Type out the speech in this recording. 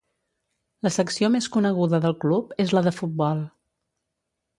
La secció més coneguda del club és la de futbol.